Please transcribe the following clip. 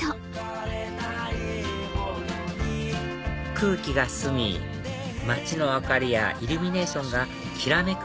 空気が澄み街の明かりやイルミネーションがきらめく